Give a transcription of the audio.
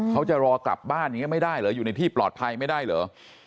เขาจะรอกลับบ้านอย่างนี้ไม่ได้เหรออยู่ในที่ปลอดภัยไม่ได้เหรอ